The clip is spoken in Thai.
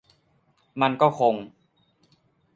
มันก็คง